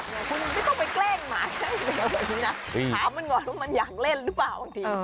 แกล้งหมาได้เลยนะถามมันก่อนว่ามันอยากเล่นหรือเปล่าบางที